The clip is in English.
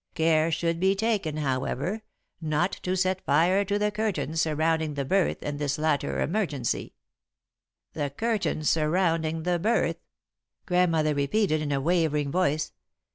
Care should be taken, however, not to set fire to the curtains surrounding the berth in this latter emergency.' "'The curtains surrounding the berth,'" Grandmother repeated, in a wavering voice.